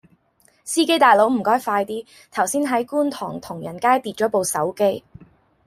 司機大佬唔該快啲，頭先喺觀塘同仁街跌左部手機